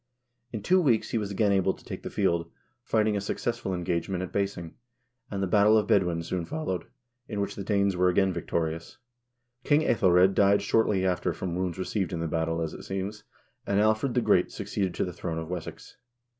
In two weeks he was again able to take the field, fighting a successful engagement at Basing, and the battle of Bedwyn soon followed, in which the Danes were again victorious. King yEthelred died shortly after from wounds received in the battle, as it seems, and Alfred the Great succeeded to the throne of Wessex.